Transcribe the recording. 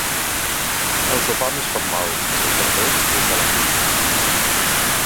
El sopar més formal se serveix des de la cuina.